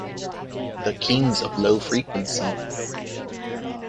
The "Kings of Low Frequency".